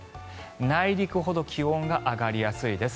内陸ほど気温が上がりやすいです。